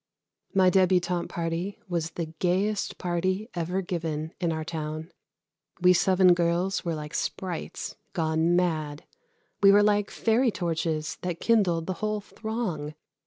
My débutante party was the gayest party ever given in our town. We seven girls were like sprites gone mad. We were like fairy torches that kindled the whole throng.